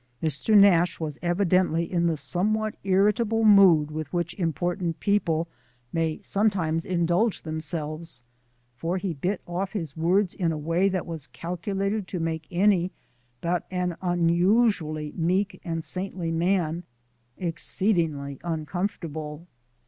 Mr. Nash was evidently in the somewhat irritable mood with which important people may sometimes indulge themselves, for he bit off his words in a way that was calculated to make any but an unusually meek and saintly man exceedingly uncomfortable.